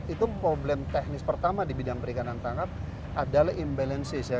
itu problem teknis pertama di bidang perikanan tangkap adalah imbalances ya